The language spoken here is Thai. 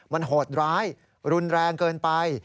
มันโหดร้ายรุนแรงเกินไป